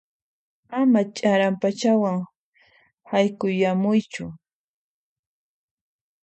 Ama ch'aran p'achawan haykuyamuychu.